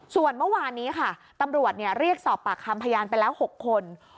ส่วนเมื่อวานนี้ค่ะตำรวจเรียกสอบปากคำพยานไปแล้ว๖คน